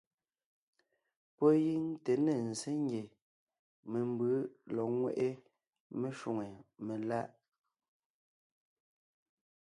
Pɔ́ gíŋ te ne ńzsé ngie membʉ̌ lɔg ńŋweʼe meshwóŋè meláʼ.